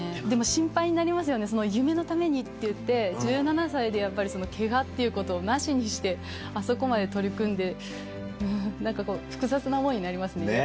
でも心配になりますよね、その夢のためにって言って、１７歳でやっぱり、けがっていうことをなしにして、あそこまで取り組んで、なんかこう、複雑な思いになりますね。